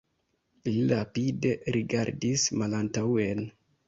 Li rapide rigardas malantaŭen.